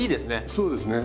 そうですね。